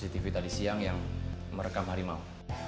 saya hanya mau melihat sisi tv tadi siang yang merekam harimau